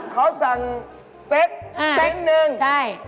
เขาสั่งสเต็กเต็กนึงใช่